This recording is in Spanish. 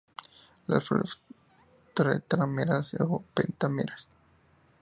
Las flores tetrámeras o pentámeras.